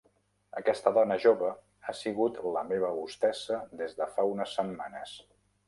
Aquesta dona jova ha sigut la meva hostessa des de fa unes setmanes.